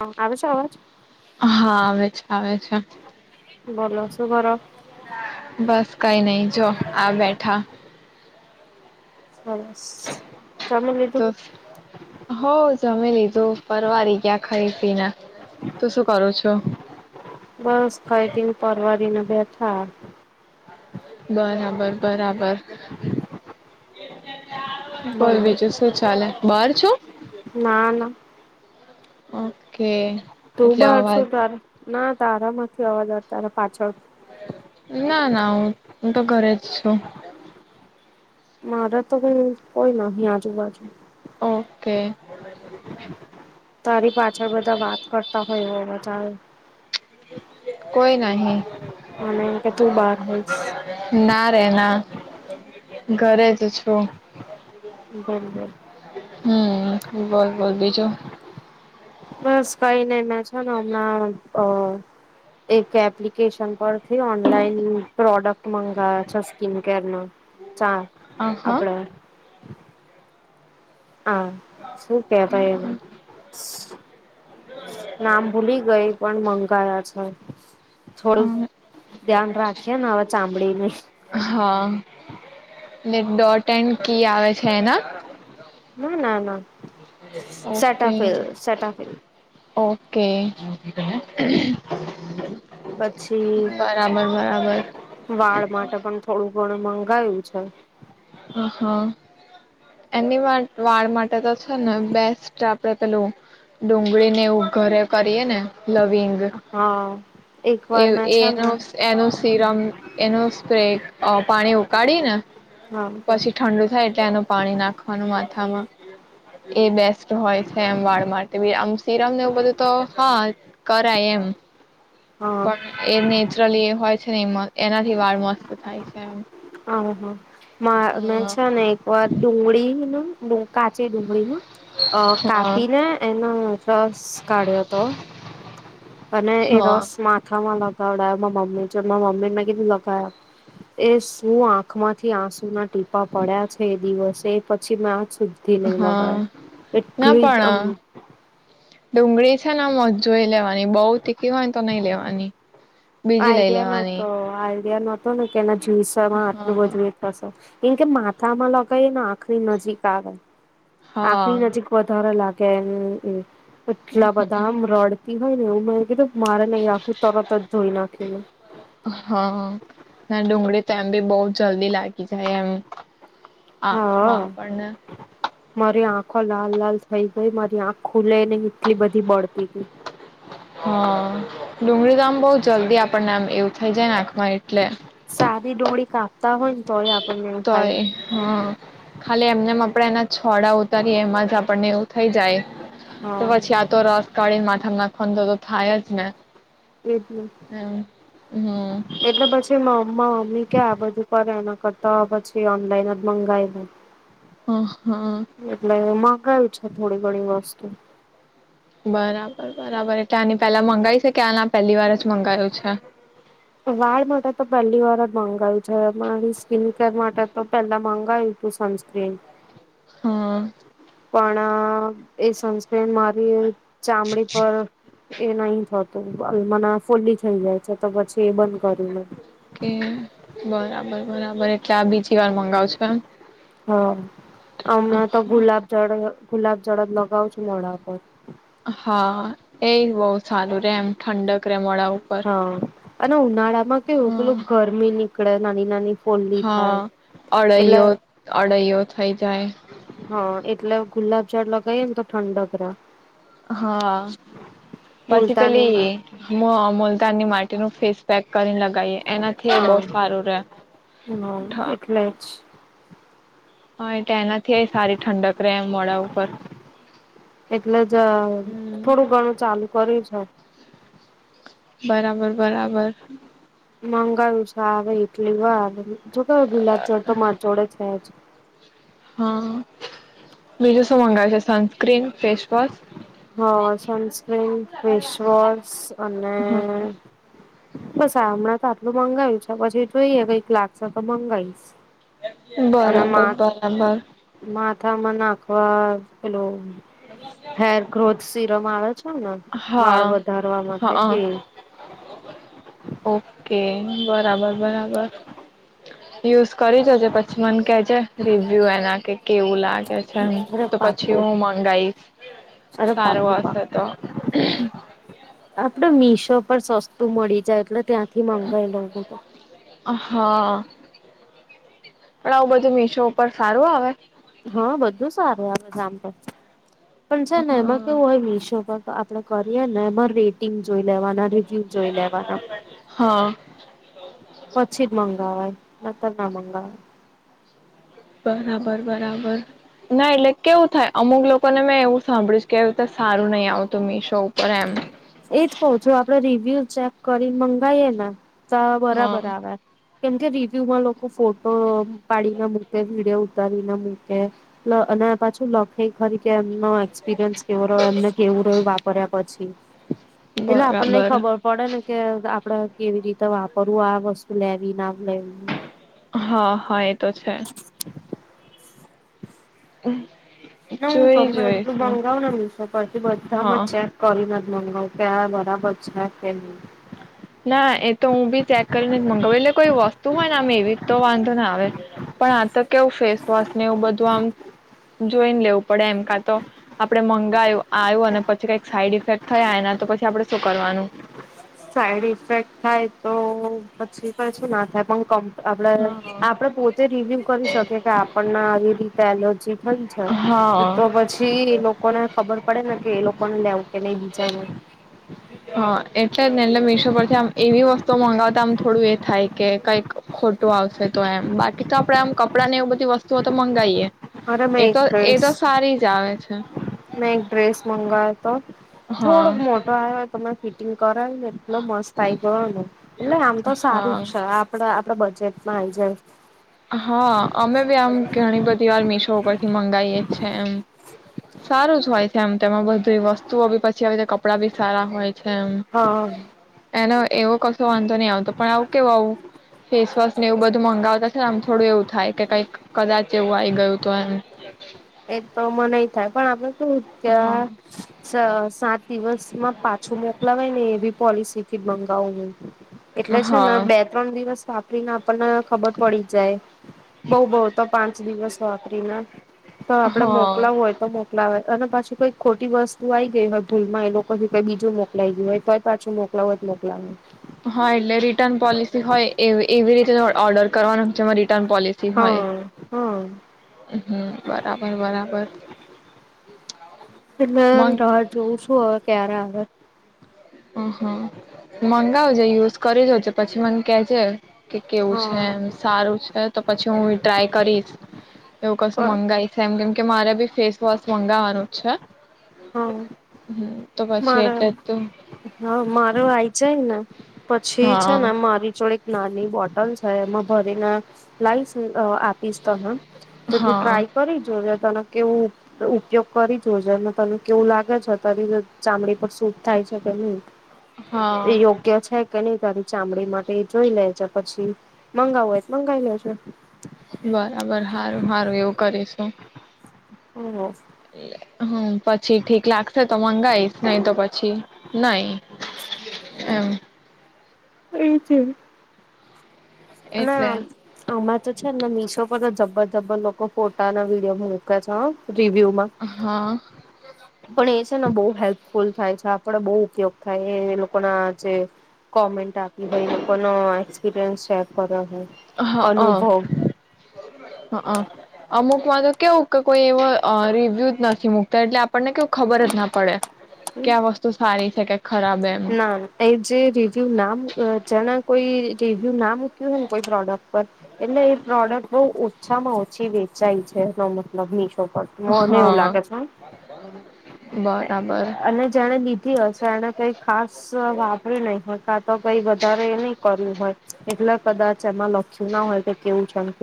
હા આવે છે અવાજ હા આવે છે, આવે છે. બોલો શું કરો બસ કાઈ નહી. જો આ બેઠા. [unintelligible] તો શું, હોજ જમી લીધું, પરવા આવી ગયા ખાઈ પી ને. તું શું કરો છો? બસ ખાઈ પીને પરવાડીને બેઠા. [unintelligible] બરાબર-બરાબર. બોલ બીજું શું ચાલે બહાર? છું ના, ના. ઓકે. તું એટલે બોલ અવાજ શું તાર, ના તારા ના થી અવાજ આવે તાર પાછળ ના, ના હું, હું તો ઘરે જ છું. મારા તો અહીં કોઈ નથી આજુબાજુ. ઓકે. તારી પાછળ બધા વાત કરતા હોય એવો અવાજ આવે. કોઈ નહી. મને એમ કે તું બહાર હોઈશ ના રે ના. ઘરે જ છું. બોલ-બોલ. બોલ-બોલ બીજું. બસ કઈ નહી મે છે ને હમણાં અહ એક એપ્લિકેશન પરથી ઓનલાઈન પ્રોડક્ટ મગાવયા છે સ્કીન કેરના. ચા, હા આપડે હા, શું કે ભાઈ એમા, નામ ભૂલી ગઈ પણ મ ગયા છે. થોડું ધ્યાન રાખીએ ને હવે ચામડીને ને ડોટ એન કી આવે છે એના ના, ના, ના ઓકે, સેટાફિલ સેટાફિલ ઓકે હ [unintelligible] પછી વાળ માટે પણ થોડું ઘણું મંગાયું છે. હા, એની વાળ માટે તો છે ને બેસ્ટ આપડે પેલું ડુંગળીને એવું ઘરે કરીએ ને લવિંગ હા એક એ વાર મેં છે ને એનું, એનું સીરમ એનું સ્પ્રે પાણી ઉકાળીને હા પછી ઠંડુ થાય, એટલે એનું પાણી નાખવાનું માથામાં એ બેસ્ટ હોય છે એમ વાળ માટે બી, આમ સીરમ ને એવું બધું તો હા, કરાય એમ હા પણ એ નેચરલી એ હોય છેને એમાં, એનાથી વાળ મસ્ત થાય છે, એમ હા મા મે હા છેને એક વાર ડુંગળીનું નું કાચી ડુંગળીનું અહ હા કાપીને એનો રસ કાઢ્યો તો અને એ હા રસ માથામાં લગ [unintelligible] મમ્મી છે, મારા મમ્મીને મે કીધું લગાઈ આપ એશ- હું આંખમાંથી આંસુના ટીપા પડ્યા છે એ દિવસે, એ પછી માં શુદ્ધિ નઈ લાગ્યો, હા ના એટલી આમ પણ ડુંગળી છેને મોજ જોઈ લેવા ની બહુ તીખી હોય, તો નઈ લેવાની બીજી લઈ આઈડિયા લેવાની નતો, આઈડિયા નતો ને કે એના જ્યુસરમાં આટલું હા બધું એ થશે કેમ કે માથામાં લગાયે ને આંખની નજીક આવે આંખની હા નજીક વધારે લા- ગે હમ્મ. એટલા બધા આમ રડ કે હોય ને એવું મને કીધું મારે નઈ રાખવું, તરતજ ધોઈ નાખ્યું મેં તેમ બી બઉ જલ્દી લાગી જાય, એમ આંખમાં હા આપણને મારી આંખો લાલ લાલ થઈ ગઈ, મારી આંખ ખુલે નઈ એટલી બધી બળતી તી હા ડુંગળી તો આમ બઉ જલ્દી આપણને આમ એવું થઇ જાય ને આંખમાં એટલે. સારી ડુંગળી કાપતા હોયને તોય આ તોએ હા. ખાલી એમનેમ આપણે એના છોડા ઉતારીએ એમાં જ આપણને એવું થઈ જાય. તો હા પછી આતો રસ કળી માથામાં નાખવાનો દો દો એટલે. એમ હમ એટલે પછી મમ્મા મમ્મી કે આ બધું કરે એના કરતા પછી ઓનલાઈન જ મંગાઈ દે. હા, હા. ગયું છે થોડી ઘણી વસ્તુ. બરાબર બરાબર એટલે આની પેલા મંગાઈ છે કે આના પેલી વાર જ મંગાયું છે? વાળ માટે તો પહેલી વાર જ મગાયું છે. અમારી સ્કીન કેર માટે તો પેલા મગાયું તું સનસ્ક્રીન. હા. પણ અહ એ સનસ્ક્રીન મારી ચામડી પર એ નહી થતું. અહ મને આ ફુલ્લી થઈ જાય છે તો પછી એ બંધ કરી ને. કે બરાબર બરાબર એ હા હમણા તો ગુલાબ જળ અહ ગુલાબ જળજ લગાવ છું મોડા પર. હા એજ બહુ સારું રે એમ ઠંડક રે મોડા ઉપર હા અને ઉનાળા માં કેવું હા પેલું ગરમી ની કડે નાની નાની ફોલ્લી હા, થાય એટલે અળૈયો અળૈયો થઈ જાય. હા, એટલે ગુલાબ જળ લગાઈએ ને તો ઠંડક રહે. હા, પછી મુલતાની પેલી માટે મો-મુલતાની માટેનું ફેસ પેક કર કરીએ એનાથી બહુ હા સારું રે. હમ ઠ એટલે જ હા. તો એનાથી એ સારી ઠંડક રહેે એમ મોડા ઉપર. એટલે જ હમ્મ. થોડું ઘણું ચાલુ કર્યું છે. બરાબર બરાબર. મંગાયું છે આવે ઇટલી વાર હમ્મ. જો પેડ ગુલાબ જળ તો માર જોડે છેજ. હા, બીજું શું માંગ્યું છે સનસ્ક્રીન, ફેસવોશ? હ સનસ્ક્રીન ફેશવોશ અને. હ બ સામણા, મંગાવું છે પછી જોઈએ કઈક લાગશે તો મંગાવીશ અને બરાબર બરાબર માથામાં નાખ બસ હલો હેર ગ્રોથ. શિરમાળજ વાળ હા વધારવા માટે હા એ ઓકે બરાબર બરાબર યુઝ કરી જોજે પછી મને કે જે રિવ્યુ એના કે કેવું લાગે છેમ અરે તો પછી પાકું હું મંગાઈશ અરે સારું પાકું હશે તો. હમ આપડ મીશો પર સસ્તું મળી જાય એટલે ત્યાંથી માંગાય લોકો તો હા પણ આવું બધું મીશો ઉપર સારું આવે? હા બધું સારું આવે જામ તો પણ છે ને એમાં હા કેવું હોય મિસો પર આપડે કરીએ ને એમાં રેટિંગ જોઈ લેવાના રેવ્યુ જોઈએ લેવાના હા પછી જ મંગવાજ મંગવાય નકાર ના મંગાવાય બરાબર બરાબર ના એટલે કેવું થાય અમુક લોકોને મેં એવું સાંભળ્યું કે એવી રીતે સારું નહી આવતું મીશો ઉપર એમ એજ ક છો આપડ રિવ્યુ ચેક કરી મંગાઈએ ને તો હા બરાબર આવે. કેમકે રિવ્યુમાં લોકો ફોટો પાડીને મૂકે વિડીયો ઉતારીને મૂકે અને પાછું લખે ખરી કે એમનો એક્સપિરિયન્સ કેવો રહ્યો એમને કેવું રહ્યું વાપર્યા પછી. એટલે આપણને બરાબર ખબર પડે ને કે આપડ કેવી રીતે વાપરવું આ વસ્તુ લેવી ના લેવી. હા હા એ તો છે હમ. ના હ ગમે એટલું મંગાવ ને મશો પરથી હા બધામાં ચેક કરી મનગાઉં પેલા બરાબર છે કે નઈ. ના એ તો હું બી ચેક કરીને મગાવું એટલે કોઈ વસ્તુ હોય ને આમ એવી તો વાંધો ના આવે પણ આ તો કેવું ફેસવોશ ને એવું બધું આમ જોઈને લેવું પડે એમ કા તો આપડે મંગાવું આવ્યું અને પછી કઈક સાઈડ ઇફેક્ટ થયા એના તો પછી આપડે શું કરવાનું? સાઈડ ઇફેક્ટ થાય તો પછી કછું ના થાય પણ આપણે આપડે પોતે રિવ્યુ કરી શકીએ કે આપણને આવી રીતે એલર્જી થઈ છે હા તો પછી લોકો લોકોને ખબર પડે ને કે એ લોકોને લેવું કે નહી બીજાને હા એટલે એલે મીશો પરથી આમ એવી વસ્તુઓ મંગાવતા આમ થોડું એ થાય કે કંઈક ખોટું આવશે તો એમ બાકી તો આપણેે આમ કપડાં ને એવું બધી વસ્તુઓ તો મંગાવીએ. અરે મેં એક ડ્રેસ આવે છે મેં એક ડ્રેસ મંગાયો તો થોડોક હા મોટો આવ્યો ત મે ફિટિંગ કરાય ને એટલો મસ્ત આઈ ગયો એટલે આમ તો હા સારું જ છે. આપડે આપડા બજેટમાં આયી જાય. હા અમે બી આમ ઘણી બધી વાર મીશો પર થી મંગાયે છે એમ સારું જ હોય. જેમ તમે બધી વસ્તુઓ બી પછી આવી રીતે કપડાં બી સારા હોય. છે એમ હા એના એવો કશો વાંધો નહીં આવતો પણ આવ કે આવું ફેસ વોશ ને એવું બધું મંગાવ આમ થોડું એવું થાય કે કંઈક કદાચ કેવું આઈ ગયું તો એમ એ તો મન એવું થાય પણ આપણે તો હા ત્યા સ સાત દિવસ માં પાછું મોકલાવે ને એવી પોલિસી થી મંગાવેલુ. એટલે છે ને હા બે ત્રણ દિવસ વાપરી ને આપ આપણ ને ખબર પડી જાય. બો બો તો પાંચ દિવસ વાપરીને તો આપડે હા મોકલાવુ હોય તો મોક મોકલાવાય અને પાછી કઈ ખોટી વસ્તુ આઈ ગઈ હોય ભૂલ માં એ લોકો કઈ બીજું મોકલાઈ ગયું હોય તોય પાછું મોકલાવુ હોય મોકલાવા હા એટલે રિટર્ન પોલિસી હોય એ એવી રીતે ઓર્ડર કરવાનું જેમાં રી રીટન પોલીસી હોય. હા હા હમમ બરાબર બરાબર. એટલે મં રાહ જોવું શું હવ ક્યારે આવે? હા હા મન [unintelligible] જે યુઝ કરી દેજે પછી મને કેહજે. કે કેવું છે એમ હા સારું છે તો પછી હું ટ્રાય કરીશ. એવું કસું મંગાય છે એમનેમ કે મારે બી ફેસ વોશ મંગાવવાનું છે. હા હમ તો પછી મારે એટલે જ તો હા! મારું આઈ જાયને પછી છે ને, હા મારી જોળે નાની બોટલ છે એમાં ભરીને લાઈશ, અ આપીશ તને તો તું હા ટ્રાય કરી જો જે તને કેવું ઉપયોગ કરી જો જે ને, તને કેવું લાગે છે તારી રી ચામડી પર સૂટ થાય છે કે ની હા એ યોગ્ય છે કે નહી તારી ચામડી માટે જોઈ લે છે, પછી મંગાવું હોય મંગાવી લેજો. બરાબર હારું હારું એવું કરીશું. હમ [unintelligible] હમ પછી ઠીક લાગશે તો મંગાઈશ નહી, તો પછી નઈ, એમ. એ જે -' ના એટલે આમાંર તો છે ને, મીશો બધા જબર જબ્બર લોકો ફોટા અને વિડીયો મુકે છે હો. હાઆઆ પણ, એ છે ને બહુ હેલ્પફુલ થાય છે, આપડે બહુ ઉપયોગ કઈ એ લોકોના જે કોમેન્ટ આપી હોય, એ લોકો નો એક્સપિરિયન્સ શેર કરો. હા હા હા! અમુક [inaudible] કેવું કોઈ એવો રિવ્યુ નથી મુકતા એટલે આપ- આપણને કેવ ખબર જ ના પડે કે, આ વસ્તુ સારી થ [unintelligible] ના, એ જે રિવ્યુ ના જેના કોઈ રિવ્યુ ના મૂક્યું હોયને કોઈ પ્રોડક્ટ એટલે એ પ્રોડક્ટ બહુ ઓછામાં ઓછી વેચાય છે, એનો મતલબ ઈ મને એવું હા લાગે છે હં, બરાબર [unintelligible] અને જેણે લીધી હશે એને ખાસ વાપરી નહી હોતા તો કઈ વધારે, એ નહી કર્યું હોય, એટલે કદાચ એમાં શું ના હોય તો કેવું છે.?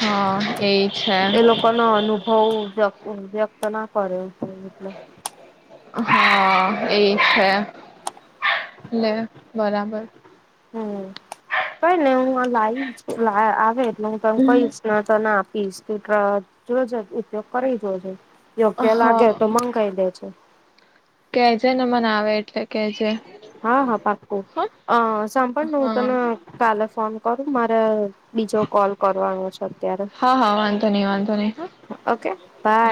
હા એ છે એ લોકો નો અનુભવ જ વ્યક્ત ના કરે એટલે. હા એ છે, લે બરાબર! હમ કાઈ નઈ હું લાવીશ, લાયા આવે હમ! તમ કઈ [inaudible] હિસ ના આપુ [inaudible] જો જે ઉપયોગ કરી જો જે યોગ્ય લાગે તો, મંગાઈ દેજે કે છે ને મને આવે એટલે કે છે. હા હા પાક્કું અ સંભળ નું હા હું તને હા કાલે ફોન કરું મારા બીજો કોલ કરવાનો છે અત્યારે હા વાંધો નહી વાંધો નહી ઓકે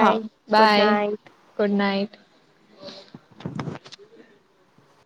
હા good bye night. Good night